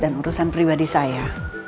dan urusan pribadi saya